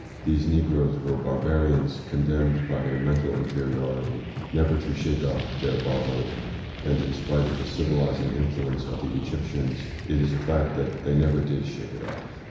These negroes were barbarians, condemned by their mental inferiority never to shake off their barbarism : and in spite of the civilising influence of the Egyptians, it is a fact that they never did shake it off.